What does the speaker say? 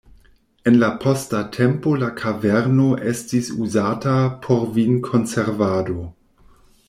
En la posta tempo la kaverno estis uzata por vin-konservado.